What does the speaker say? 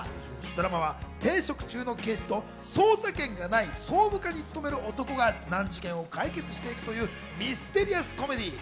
ドラマは停職中の刑事と捜査権がない総務課に勤める男が、難事件を解決していくというミステリアスコメディー。